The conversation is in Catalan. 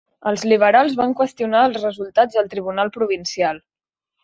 Els Liberals van qüestionar els resultats al tribunal provincial.